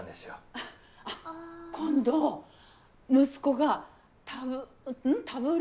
あっ今度息子がタブん？